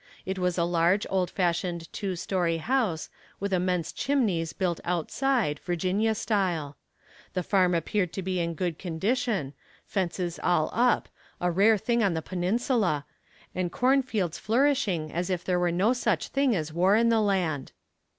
It was a large old fashioned two story house, with immense chimneys built outside, Virginia style. The farm appeared to be in good condition, fences all up, a rare thing on the Peninsula, and corn fields flourishing as if there were no such thing as war in the land.